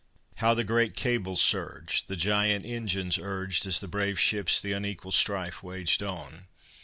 How the great cables surged, The giant engines urged, As the brave ships the unequal strife waged on!